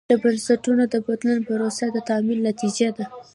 د بنسټونو د بدلون پروسه د تعامل نتیجه ده.